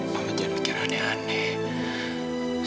menjadi pikirannya aneh